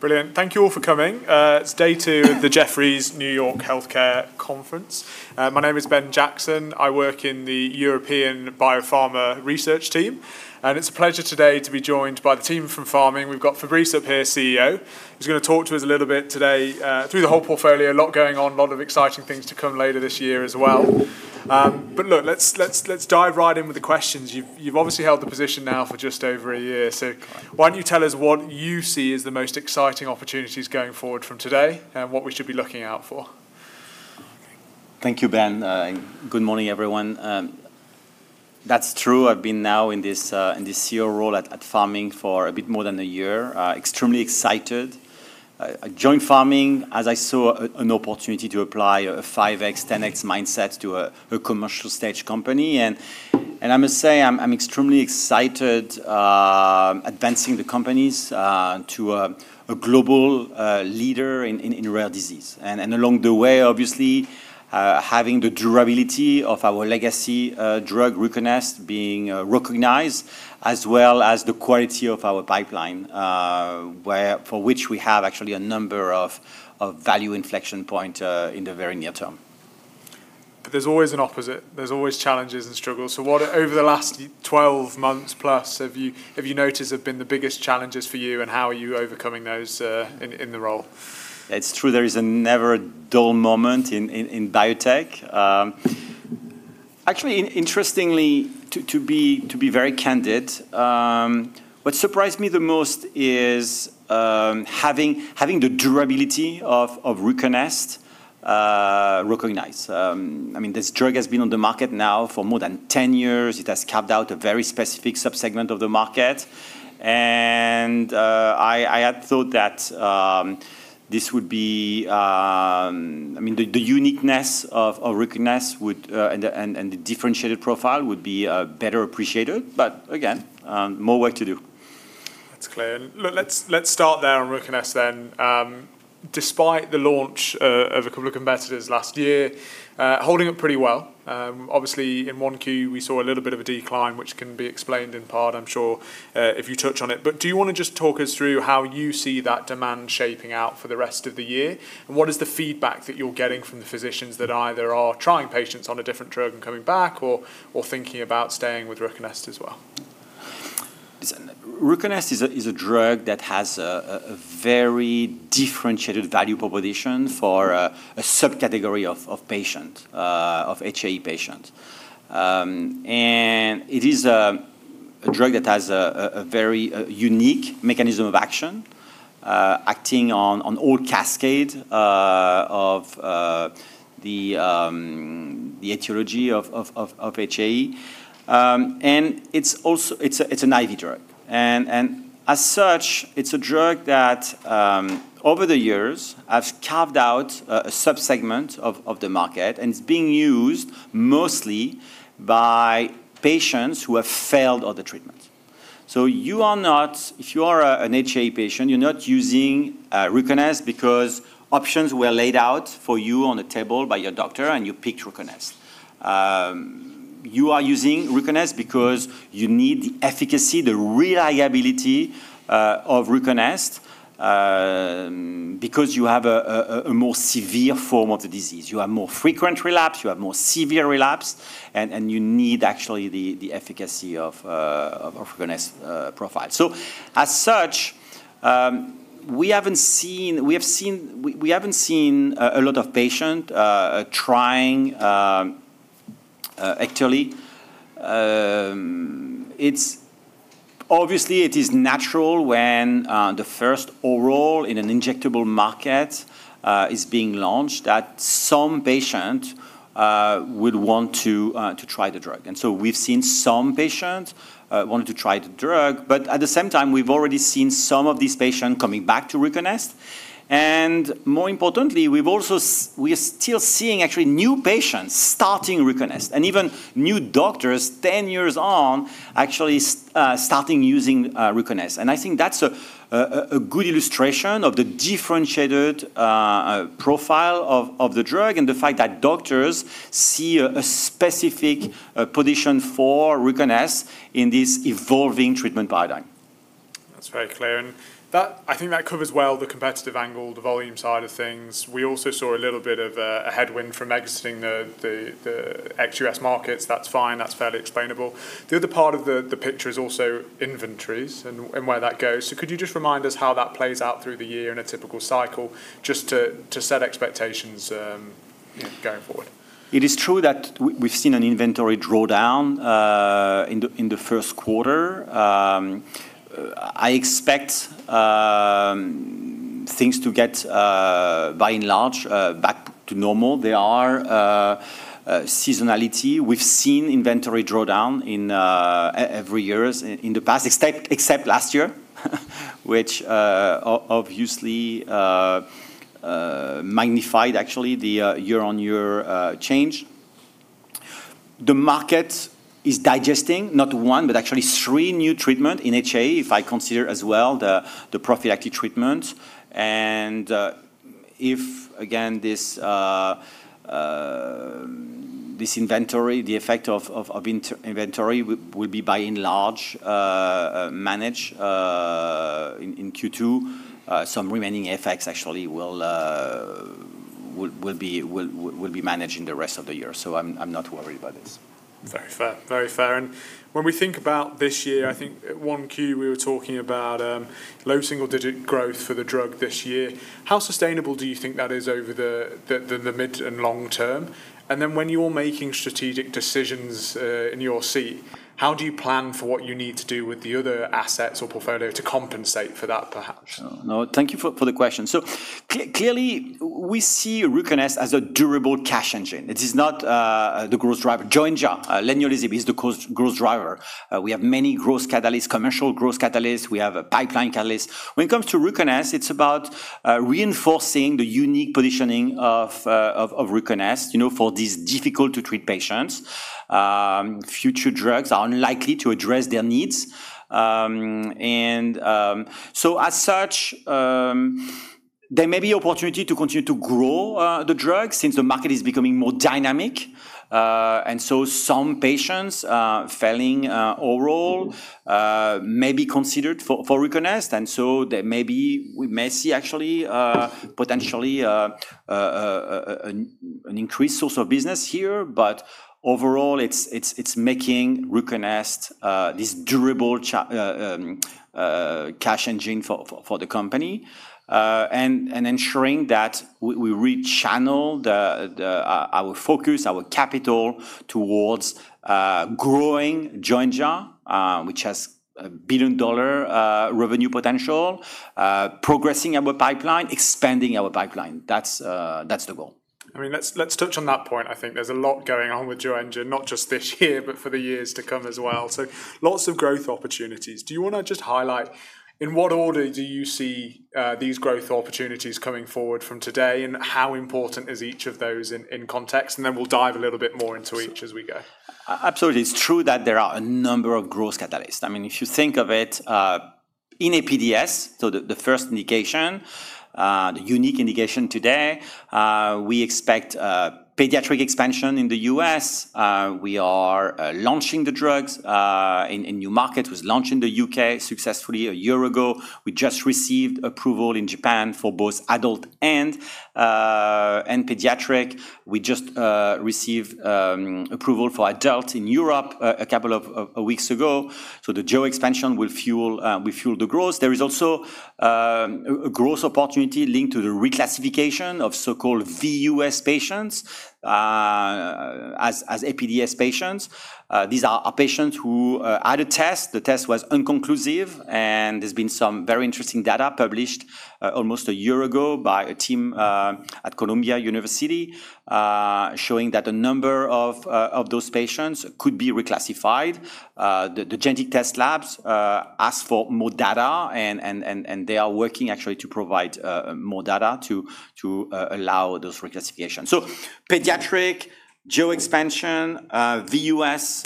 Brilliant. Thank you all for coming. It's day two of the Jefferies New York Healthcare Conference. My name is Ben Jackson. I work in the European Biopharma research team, and it's a pleasure today to be joined by the team from Pharming. We've got Fabrice Chouraqui, CEO. He's going to talk to us a little bit today through the whole portfolio. A lot going on, a lot of exciting things to come later this year as well. Look, let's dive right in with the questions. You've obviously held the position now for just over a year. Why don't you tell us what you see as the most exciting opportunities going forward from today and what we should be looking out for? Thank you, Ben. Good morning, everyone. That's true, I've been now in this CEO role at Pharming for a bit more than a year. Extremely excited. I joined Pharming as I saw an opportunity to apply a 5X, 10X mindset to a commercial-stage company. I must say, I'm extremely excited advancing the companies to a global leader in rare disease. Along the way, obviously, having the durability of our legacy drug, RUCONEST, being recognized, as well as the quality of our pipeline for which we have actually a number of value inflection point in the very near term. There's always an opposite. There's always challenges and struggles. What, over the last 12 months plus, have you noticed have been the biggest challenges for you, and how are you overcoming those in the role? It's true, there is a never dull moment in biotech. Actually, interestingly, to be very candid, what surprised me the most is having the durability of RUCONEST recognized. This drug has been on the market now for more than 10 years. It has carved out a very specific sub-segment of the market. I had thought that the uniqueness of RUCONEST and the differentiated profile would be better appreciated. Again, more work to do. That's clear. Look, let's start there on RUCONEST then. Despite the launch of a couple of competitors last year, holding up pretty well. Obviously, in 1Q, we saw a little bit of a decline, which can be explained in part, I'm sure, if you touch on it. Do you want to just talk us through how you see that demand shaping out for the rest of the year? What is the feedback that you're getting from the physicians that either are trying patients on a different drug and coming back or thinking about staying with RUCONEST as well? RUCONEST is a drug that has a very differentiated value proposition for a subcategory of HAE patient. It is a drug that has a very unique mechanism of action, acting on all cascade of the etiology of HAE. It's an IV drug. As such, it's a drug that, over the years, have carved out a sub-segment of the market, and it's being used mostly by patients who have failed other treatments. If you are an HAE patient, you're not using RUCONEST because options were laid out for you on a table by your doctor and you picked RUCONEST. You are using RUCONEST because you need the efficacy, the reliability of RUCONEST because you have a more severe form of the disease. You have more frequent relapse, you have more severe relapse, and you need actually the efficacy of RUCONEST profile. As such, we haven't seen a lot of patients trying actually. Obviously, it is natural when the first oral in an injectable market is being launched that some patients would want to try the drug. We've seen some patients wanting to try the drug. At the same time, we've already seen some of these patients coming back to RUCONEST. More importantly, we are still seeing actually new patients starting RUCONEST, and even new doctors, 10 years on, actually starting using RUCONEST. I think that's a good illustration of the differentiated profile of the drug and the fact that doctors see a specific position for RUCONEST in this evolving treatment paradigm. That's very clear. I think that covers well the competitive angle, the volume side of things. We also saw a little bit of a headwind from exiting the ex-US markets. That's fine. That's fairly explainable. The other part of the picture is also inventories and where that goes. Could you just remind us how that plays out through the year in a typical cycle, just to set expectations going forward? It is true that we've seen an inventory drawdown in the first quarter. I expect things to get, by and large, back to normal. There are seasonality. We've seen inventory drawdown in every years in the past, except last year which obviously magnified actually the year-on-year change. The market is digesting not one, but actually three new treatment in HAE, if I consider as well the prophylactic treatment. If, again, This inventory, the effect of inventory will be by and large managed in Q2. Some remaining effects actually will be managed in the rest of the year. I'm not worried about this. Very fair. When we think about this year, I think at 1Q, we were talking about low single-digit growth for the drug this year. How sustainable do you think that is over the mid and long term? Then when you're making strategic decisions in your seat, how do you plan for what you need to do with the other assets or portfolio to compensate for that, perhaps? No. Thank you for the question. Clearly, we see RUCONEST as a durable cash engine. It is not the growth driver. Joenja, leniolisib, is the growth driver. We have many growth catalysts, commercial growth catalysts. We have a pipeline catalyst. When it comes to RUCONEST, it's about reinforcing the unique positioning of RUCONEST for these difficult-to-treat patients. Future drugs are unlikely to address their needs. As such, there may be opportunity to continue to grow the drug since the market is becoming more dynamic. Some patients failing oral may be considered for RUCONEST. We may see actually potentially an increased source of business here. Overall, it's making RUCONEST this durable cash engine for the company. Ensuring that we rechannel our focus, our capital towards growing Joenja, which has a billion-dollar revenue potential, progressing our pipeline, expanding our pipeline. That's the goal. Let's touch on that point. I think there's a lot going on with Joenja, not just this year, but for the years to come as well. Lots of growth opportunities. Do you want to just highlight in what order do you see these growth opportunities coming forward from today, and how important is each of those in context? We'll dive a little bit more into each as we go. Absolutely. It's true that there are a number of growth catalysts. If you think of it, in APDS, the first indication, the unique indication today we expect pediatric expansion in the U.S. We are launching the drugs in new markets. It was launched in the U.K. successfully a year ago. We just received approval in Japan for both adult and pediatric. We just received approval for adult in Europe a couple of weeks ago. The geo expansion will fuel the growth. There is also a growth opportunity linked to the reclassification of so-called VUS patients as APDS patients. These are patients who had a test. The test was inconclusive, there's been some very interesting data published almost a year ago by a team at Columbia University showing that a number of those patients could be reclassified. The genetic test labs asked for more data, they are working actually to provide more data to allow those reclassification. Pediatric, geo expansion, VUS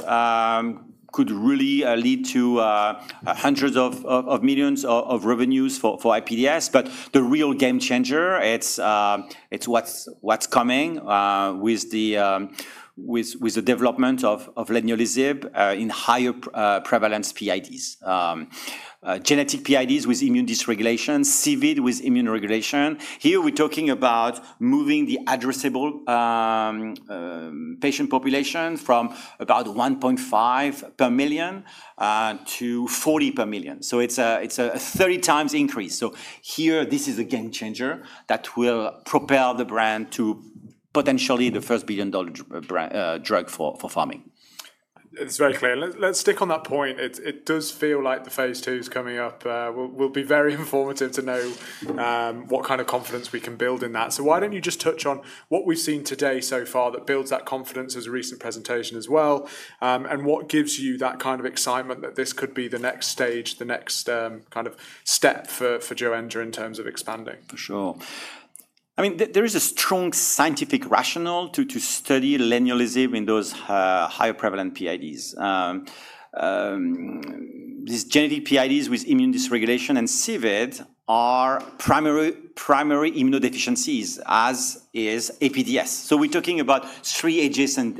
could really lead to hundreds of millions of revenues for APDS. The real game changer, it's what's coming with the development of leniolisib in higher prevalence PIDs. Genetic PIDs with immune dysregulation, CVID with immune regulation. Here we're talking about moving the addressable patient population from about 1.5 per million to 40 per million. It's a 30 times increase. Here, this is a game changer that will propel the brand to potentially the first billion-dollar drug for Pharming. It's very clear. Let's stick on that point. It does feel like the phase IIs coming up will be very informative to know what kind of confidence we can build in that. Why don't you just touch on what we've seen today so far that builds that confidence as a recent presentation as well, and what gives you that kind of excitement that this could be the next stage, the next step for Joenja in terms of expanding? For sure. There is a strong scientific rationale to study leniolisib in those higher prevalent PIDs. These genetic PIDs with immune dysregulation and CVID are primary immunodeficiencies, as is APDS. We're talking about three adjacent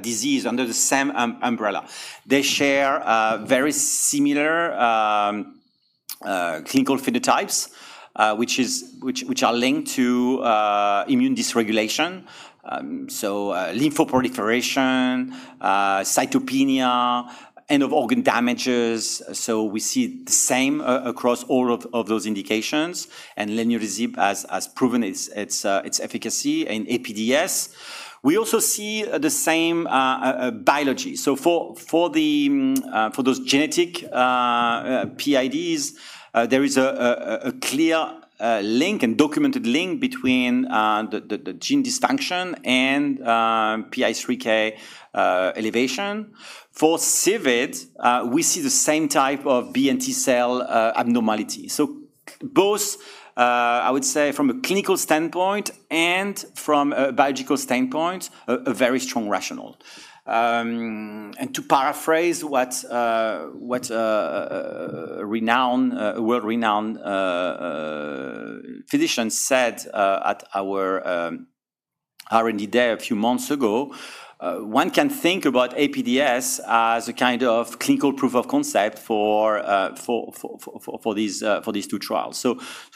disease under the same umbrella. They share very similar clinical phenotypes which are linked to immune dysregulation, lymphoproliferation, cytopenia, end-organ damages. We see the same across all of those indications. Leniolisib has proven its efficacy in APDS. We also see the same biology. For those genetic PIDs, there is a clear link and documented link between the gene dysfunction and PI3K elevation. For CVID, we see the same type of B and T-cell abnormality. Both, I would say from a clinical standpoint and from a biological standpoint, a very strong rationale. To paraphrase what a world-renowned physician said at our R&D Day a few months ago, one can think about APDS as a kind of clinical proof of concept for these two trials.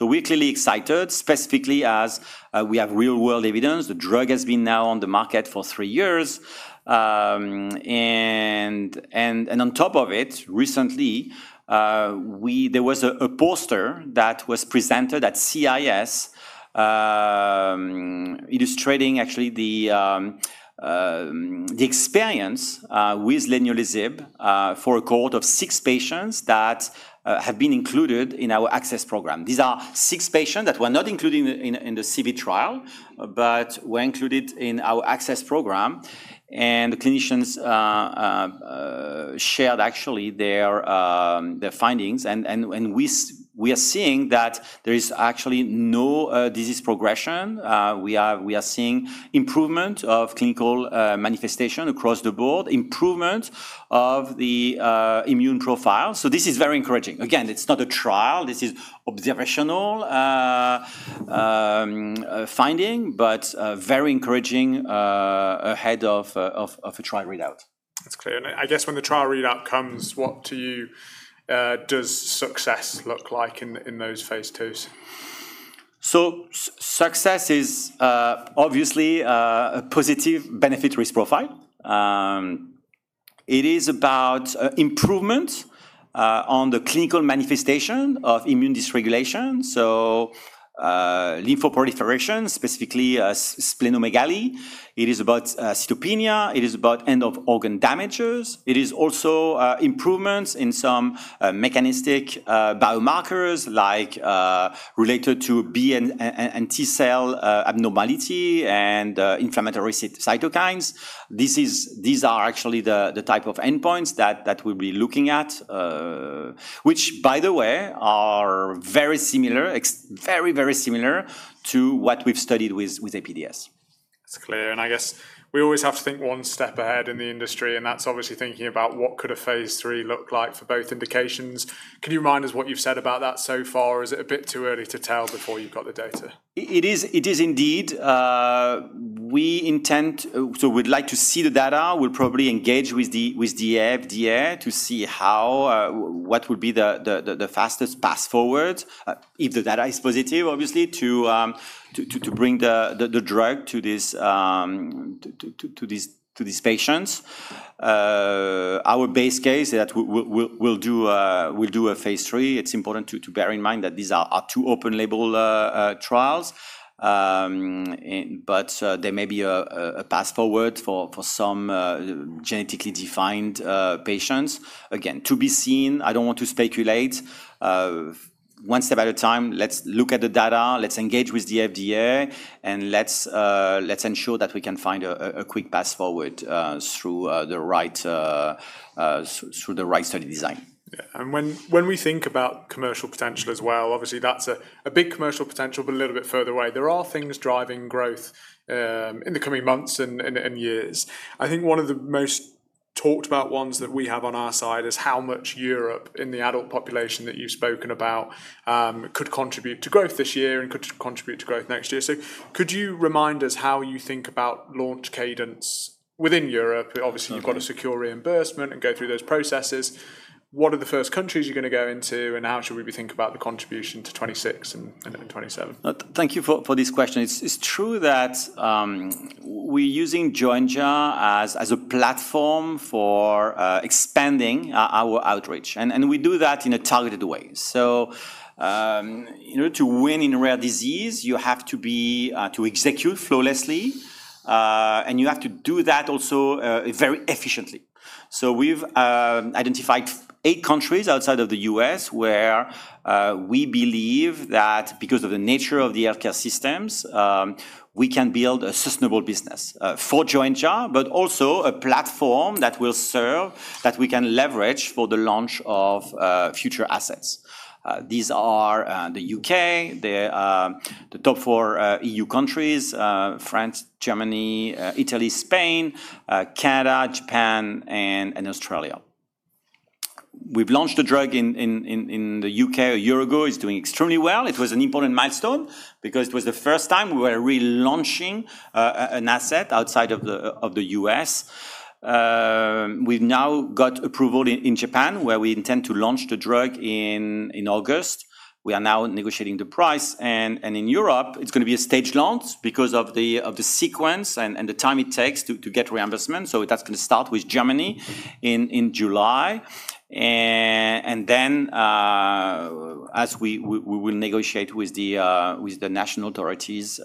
We're clearly excited, specifically as we have real-world evidence. The drug has been now on the market for three years. On top of it, recently, there was a poster that was presented at CIS, illustrating actually the experience with leniolisib for a cohort of six patients that have been included in our access program. These are six patients that were not included in the CV trial but were included in our access program. The clinicians shared actually their findings. We are seeing that there is actually no disease progression. We are seeing improvement of clinical manifestation across the board, improvement of the immune profile. This is very encouraging. Again, it's not a trial. This is observational finding, but very encouraging ahead of a trial readout. That's clear. I guess when the trial readout comes, what to you does success look like in those phase IIs? Success is obviously a positive benefit-risk profile. It is about improvement on the clinical manifestation of immune dysregulation, so lymphoproliferation, specifically splenomegaly. It is about cytopenia. It is about end of organ damages. It is also improvements in some mechanistic biomarkers related to B and T cell abnormality and inflammatory cytokines. These are actually the type of endpoints that we'll be looking at, which, by the way, are very similar to what we've studied with APDS. That's clear. I guess we always have to think one step ahead in the industry, and that's obviously thinking about what could a phase III look like for both indications. Can you remind us what you've said about that so far? Is it a bit too early to tell before you've got the data? It is indeed. We'd like to see the data. We'll probably engage with the FDA to see what would be the fastest path forward if the data is positive, obviously, to bring the drug to these patients. Our base case that we'll do a phase III. It's important to bear in mind that these are two open label trials. There may be a path forward for some genetically defined patients. Again, to be seen. I don't want to speculate. One step at a time. Let's look at the data. Let's engage with the FDA, and let's ensure that we can find a quick path forward through the right study design. Yeah. When we think about commercial potential as well, obviously that's a big commercial potential, but a little bit further away. There are things driving growth in the coming months and years. I think one of the most talked about ones that we have on our side is how much Europe in the adult population that you've spoken about could contribute to growth this year and could contribute to growth next year. Could you remind us how you think about launch cadence within Europe? Okay. You've got to secure reimbursement and go through those processes. What are the first countries you're going to go into, how should we think about the contribution to 2026 and 2027? Thank you for this question. It's true that we're using Joenja as a platform for expanding our outreach, and we do that in a targeted way. To win in rare disease, you have to execute flawlessly, and you have to do that also very efficiently. We've identified eight countries outside of the U.S. where we believe that because of the nature of the healthcare systems, we can build a sustainable business for Joenja, but also a platform that we can leverage for the launch of future assets. These are the U.K., the top four E.U. countries, Canada, Japan, and Australia. We've launched the drug in the U.K. a year ago. It's doing extremely well. It was an important milestone because it was the first time we were relaunching an asset outside of the U.S. We've now got approval in Japan, where we intend to launch the drug in August. We are now negotiating the price. In Europe, it's going to be a staged launch because of the sequence and the time it takes to get reimbursement. That's going to start with Germany in July. Then, as we will negotiate with the national authorities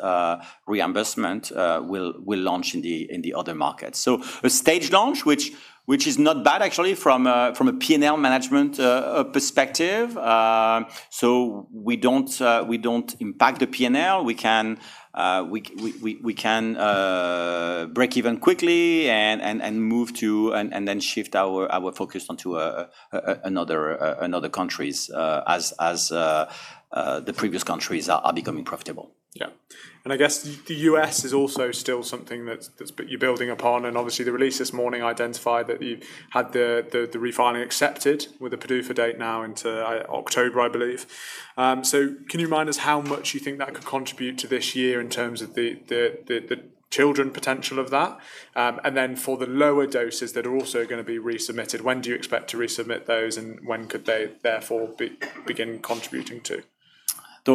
reimbursement, we'll launch in the other markets. A staged launch, which is not bad actually from a P&L management perspective. So we don't impact the P&L. We can break even quickly and move to, and then shift our focus onto another countries, as the previous countries are becoming profitable. Yeah. I guess the U.S. is also still something that you're building upon, and obviously the release this morning identified that you've had the refiling accepted with the PDUFA date now into October, I believe. Can you remind us how much you think that could contribute to this year in terms of the children potential of that? Then for the lower doses that are also going to be resubmitted, when do you expect to resubmit those, and when could they therefore begin contributing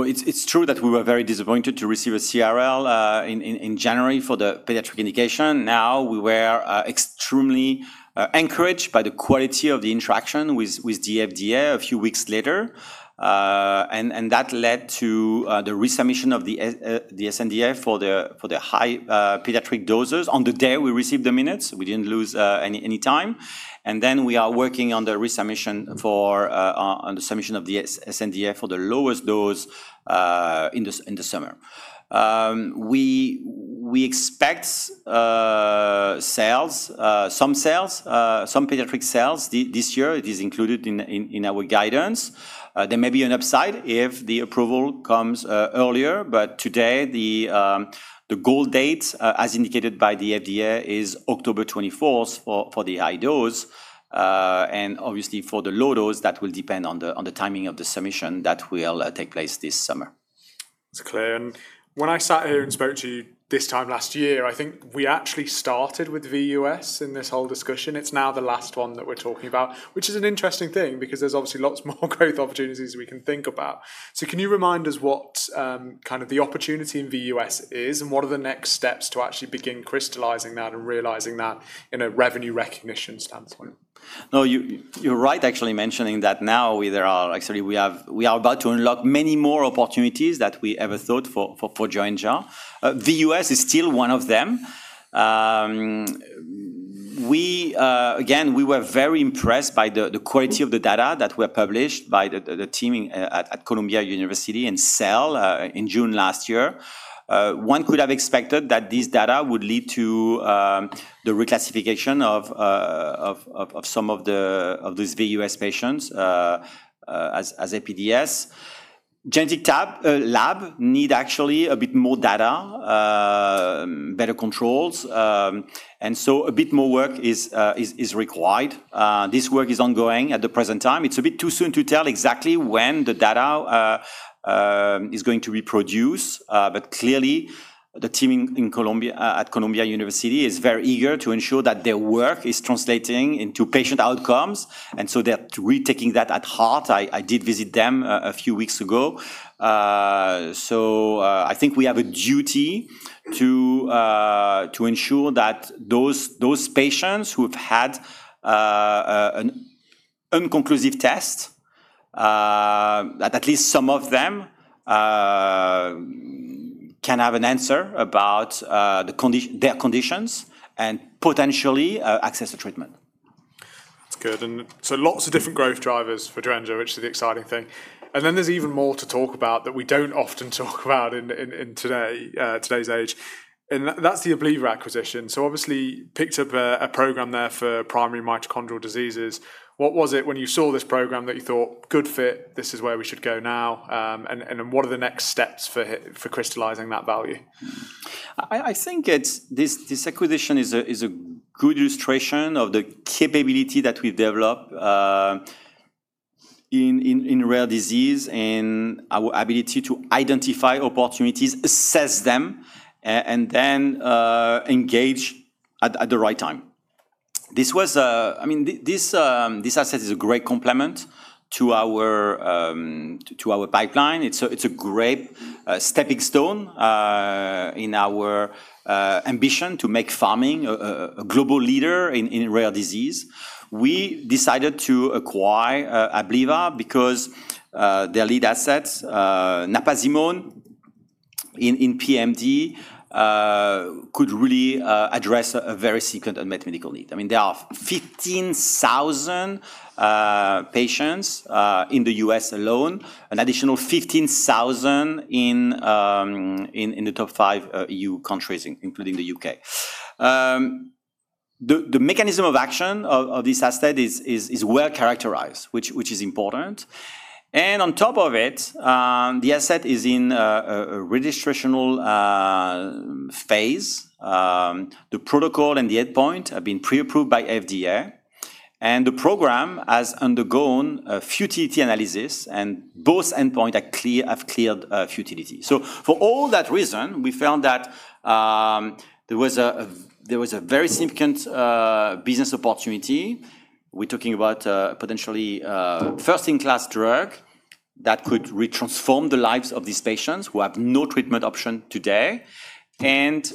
too? It's true that we were very disappointed to receive a CRL in January for the pediatric indication. We were extremely encouraged by the quality of the interaction with the FDA a few weeks later. That led to the resubmission of the SNDA for the high pediatric doses on the day we received the minutes. We didn't lose any time. We are working on the submission of the SNDA for the lowest dose in the summer. We expect some pediatric sales this year. It is included in our guidance. There may be an upside if the approval comes earlier, but today the goal date, as indicated by the FDA, is October 24th for the high dose. Obviously, for the low dose, that will depend on the timing of the submission that will take place this summer. It's clear. When I sat here and spoke to you this time last year, I think we actually started with VUS in this whole discussion. It's now the last one that we're talking about, which is an interesting thing because there's obviously lots more growth opportunities we can think about. Can you remind us what kind of the opportunity in VUS is, and what are the next steps to actually begin crystallizing that and realizing that in a revenue recognition standpoint? No, you're right actually mentioning that now we are about to unlock many more opportunities that we ever thought for Joenja. VUS is still one of them. We were very impressed by the quality of the data that were published by the team at Columbia University in Cell in June last year. One could have expected that this data would lead to the reclassification of some of these VUS patients as APDS. Genetic lab need actually a bit more data, better controls, and so a bit more work is required. This work is ongoing at the present time. It's a bit too soon to tell exactly when the data is going to reproduce. Clearly, the team at Columbia University is very eager to ensure that their work is translating into patient outcomes, and so they're really taking that at heart. I did visit them a few weeks ago. I think we have a duty to ensure that those patients who've had an inconclusive test, that at least some of them can have an answer about their conditions, and potentially access to treatment. That's good. Lots of different growth drivers for Joenja, which is the exciting thing. Then there's even more to talk about that we don't often talk about in today's age, and that's the Abliva acquisition. Obviously picked up a program there for primary mitochondrial diseases. What was it when you saw this program that you thought, "Good fit, this is where we should go now"? What are the next steps for crystallizing that value? I think this acquisition is a good illustration of the capability that we've developed in rare disease and our ability to identify opportunities, assess them, and then engage at the right time. This asset is a great complement to our pipeline. It's a great stepping stone in our ambition to make Pharming a global leader in rare disease. We decided to acquire Abliva because their lead assets, napizimone in PMD, could really address a very significant unmet medical need. There are 15,000 patients in the U.S. alone, an additional 15,000 in the top five EU countries, including the U.K. The mechanism of action of this asset is well-characterized, which is important. On top of it, the asset is in a registrational phase. The protocol and the endpoint have been pre-approved by FDA, and the program has undergone a futility analysis, and both endpoint have cleared futility. For all that reason, we found that there was a very significant business opportunity. We're talking about potentially a first-in-class drug that could retransform the lives of these patients who have no treatment option today. It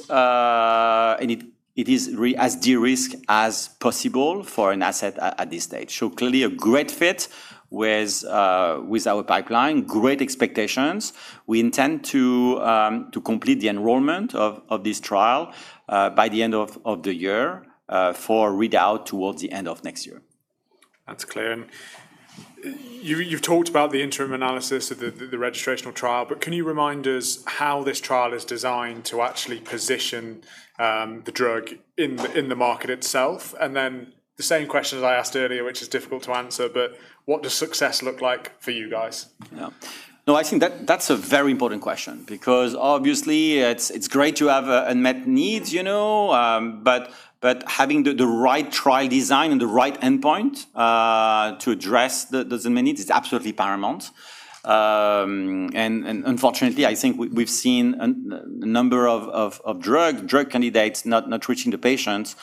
is as de-risked as possible for an asset at this stage. Clearly a great fit with our pipeline, great expectations. We intend to complete the enrollment of this trial by the end of the year, for readout towards the end of next year. That's clear. You've talked about the interim analysis of the registrational trial, but can you remind us how this trial is designed to actually position the drug in the market itself? The same question that I asked earlier, which is difficult to answer, but what does success look like for you guys? No, I think that's a very important question because obviously it's great to have unmet needs. Having the right trial design and the right endpoint to address those unmet needs is absolutely paramount. Unfortunately, I think we've seen a number of drug candidates not reaching the patients,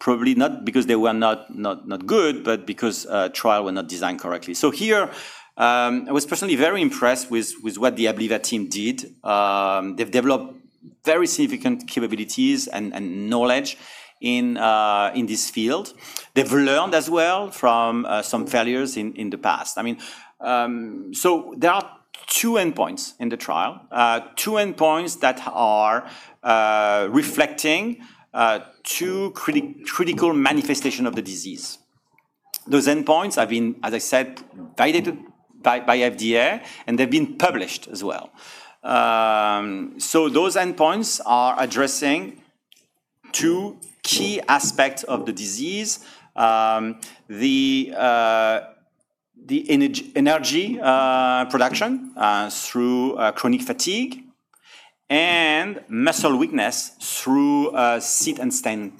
probably not because they were not good, but because trial were not designed correctly. Here, I was personally very impressed with what the Abliva team did. They've developed very significant capabilities and knowledge in this field. They've learned as well from some failures in the past. There are two endpoints in the trial. Two endpoints that are reflecting two critical manifestation of the disease. Those endpoints have been, as I said, validated by FDA, and they've been published as well. Those endpoints are addressing two key aspects of the disease. The energy production through chronic fatigue and muscle weakness through a sit-to-stand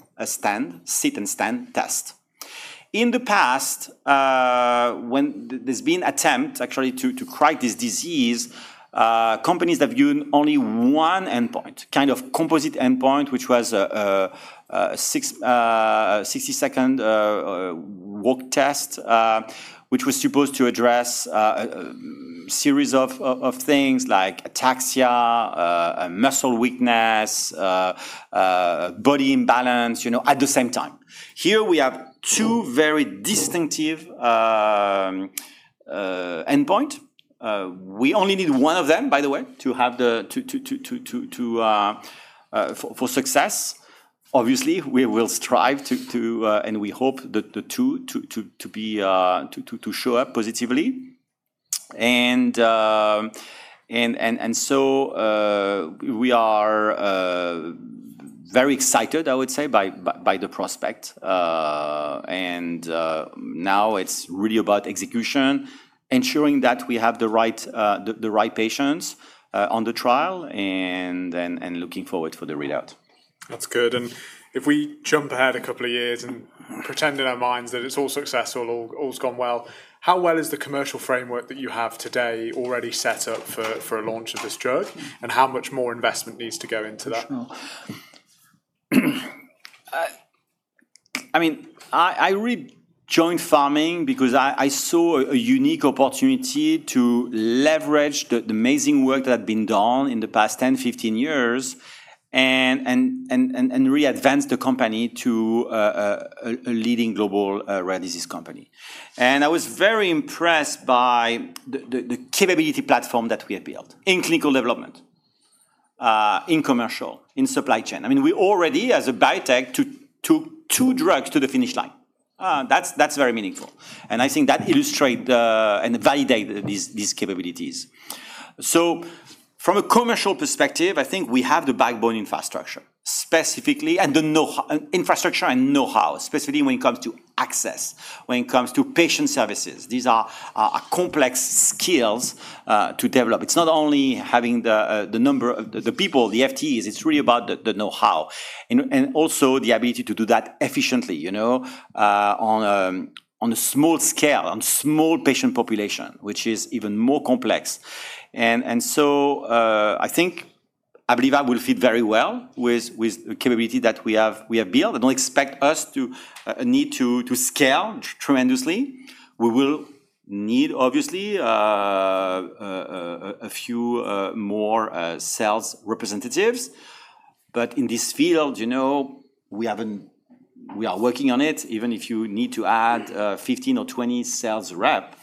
test. In the past, when there's been attempt actually to crack this disease, companies have used only one endpoint, kind of composite endpoint, which was a 60-second walk test which was supposed to address series of things like ataxia, muscle weakness, body imbalance at the same time. Here we have two very distinctive endpoint. We only need one of them, by the way, for success. Obviously, we will strive to and we hope the two to show up positively. We are very excited, I would say, by the prospect. Now it's really about execution, ensuring that we have the right patients on the trial, and looking forward for the readout. That's good. If we jump ahead a couple of years and pretend in our minds that it's all successful or all's gone well, how well is the commercial framework that you have today already set up for a launch of this drug? How much more investment needs to go into that? Sure. I really joined Pharming because I saw a unique opportunity to leverage the amazing work that had been done in the past 10, 15 years and re-advance the company to a leading global rare disease company. I was very impressed by the capability platform that we had built in clinical development, in commercial, in supply chain. We already, as a biotech, took two drugs to the finish line. That's very meaningful. I think that illustrate and validate these capabilities. From a commercial perspective, I think we have the backbone infrastructure. Specifically, the know-how, infrastructure and know-how, specifically when it comes to access, when it comes to patient services. These are complex skills to develop. It's not only having the number of the people, the FTEs, it is really about the knowhow and also the ability to do that efficiently on a small scale, on small patient population, which is even more complex. I think Abliva will fit very well with the capability that we have built. I do not expect us to need to scale tremendously. We will need obviously a few more sales representatives. In this field, we are working on it, even if you need to add 15 or 20 sales rep,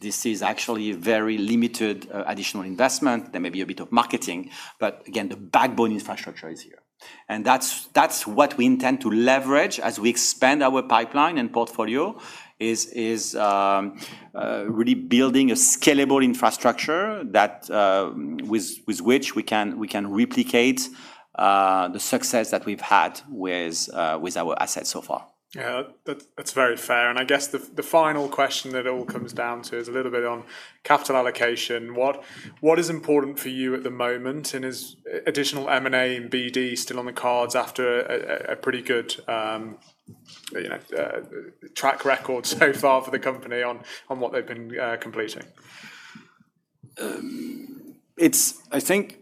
this is actually very limited additional investment. There may be a bit of marketing, but again, the backbone infrastructure is here. That is what we intend to leverage as we expand our pipeline and portfolio is really building a scalable infrastructure that with which we can replicate the success that we have had with our assets so far. Yeah. That's very fair. I guess the final question that it all comes down to is a little bit on capital allocation. What is important for you at the moment, and is additional M&A and BD still on the cards after a pretty good track record so far for the company on what they've been completing? I think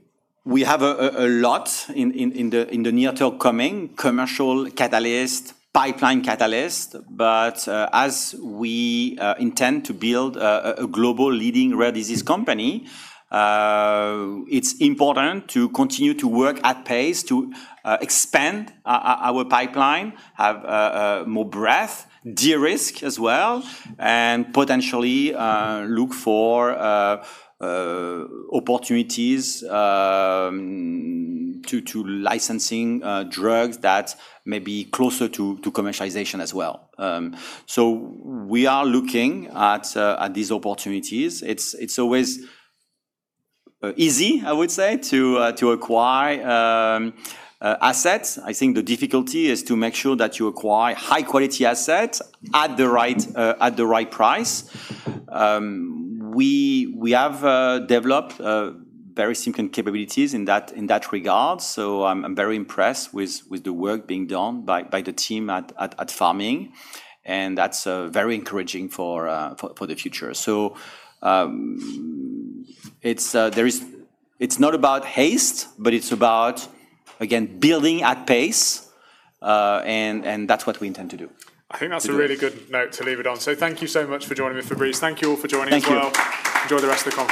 we have a lot in the near term coming, commercial catalyst, pipeline catalyst. As we intend to build a global leading rare disease company, it is important to continue to work at pace to expand our pipeline, have more breadth, de-risk as well, and potentially look for opportunities to licensing drugs that may be closer to commercialization as well. We are looking at these opportunities. It is always easy, I would say, to acquire assets. I think the difficulty is to make sure that you acquire high-quality assets at the right price. We have developed very significant capabilities in that regard, so I am very impressed with the work being done by the team at Pharming, and that is very encouraging for the future. It is not about haste, but it is about, again, building at pace, and that is what we intend to do. I think that's a really good note to leave it on. Thank you so much for joining me, Fabrice. Thank you all for joining as well. Thank you. Enjoy the rest of the conference.